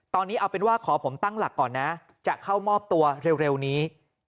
ตอนนี้เอาเป็นว่าขอผมตั้งหลักก่อนนะจะเข้ามอบตัวเร็วนี้